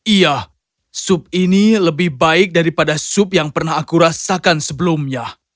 iya sup ini lebih baik daripada sup yang pernah aku rasakan sebelumnya